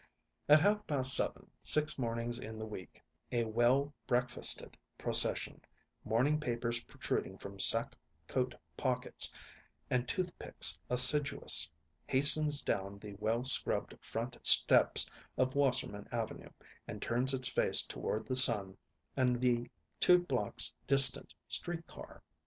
At half past seven, six mornings in the week, a well breakfasted procession, morning papers protruding from sack coat pockets and toothpicks assiduous, hastens down the well scrubbed front steps of Wasserman Avenue and turns its face toward the sun and the two blocks distant street car.